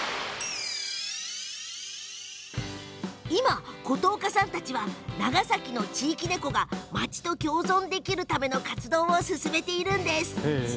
今、琴岡さんたちは長崎の地域猫が町と共存できるための活動を進めています。